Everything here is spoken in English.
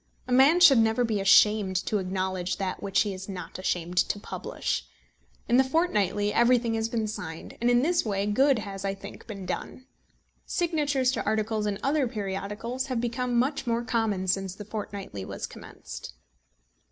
A man should never be ashamed to acknowledge that which he is not ashamed to publish. In The Fortnightly everything has been signed, and in this way good has, I think, been done. Signatures to articles in other periodicals have become much more common since The Fortnightly was commenced.